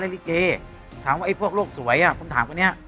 และที่กางวัยพวกโลกสวยความตลอดที่กันเนี่ย